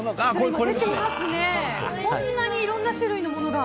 こんなにいろんな種類のものが。